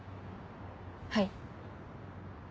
はい。